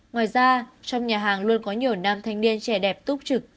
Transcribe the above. ngoài ra trong nhà hàng luôn có nhiều nam thanh niên trẻ đẹp túc trực